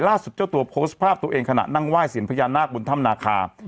หลายล่าสุดเจ้าตัวโพสต์ภาพตัวเองขณะนั่งไหว้เสียงพญานาคบุญธรรมนาคา